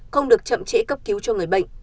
không được chậm trễ cấp cứu cho người bệnh